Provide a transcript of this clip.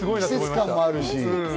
季節感もあるし。